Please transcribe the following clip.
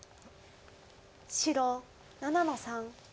白７の三。